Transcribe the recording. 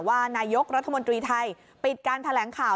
ว่านายกรัฐมนตรีไทยปิดการแถลงข่าว